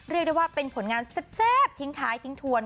เรียกได้ว่าเป็นผลงานแซ่บทิ้งท้ายทิ้งทวน